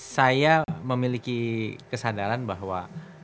saya memiliki kesadaran bahwa